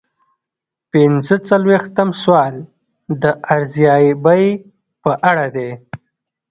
پنځه څلویښتم سوال د ارزیابۍ په اړه دی.